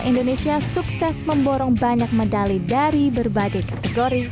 indonesia sukses memborong banyak medali dari berbagai kategori